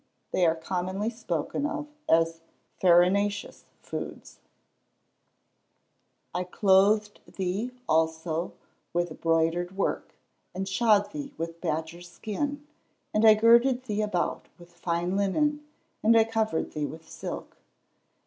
They are commonly spoken of as farinaceous foods. [Verse: "I clothed thee also with broidered work, and shod thee with badgers' skin, and I girded thee about with fine linen, and I covered thee with silk."